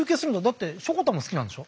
だってしょこたんも好きなんでしょ？